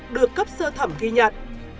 được cấp sơ thẩm ghi nhận